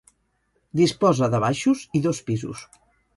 Disposa de baixos i dos pisos.